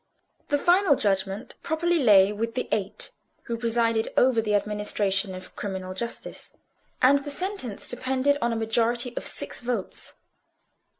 The final judgment properly lay with the Eight, who presided over the administration of criminal justice; and the sentence depended on a majority of six votes.